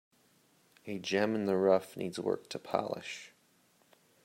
A gem in the rough needs work to polish.